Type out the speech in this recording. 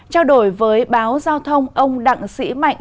trao đổi với báo giao thông ông đặng sĩ mạnh